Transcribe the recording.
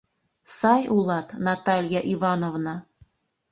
Сай улат, Наталья Ивановна!..